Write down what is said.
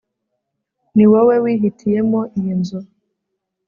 ni wowe wihitiyemo iyi nzu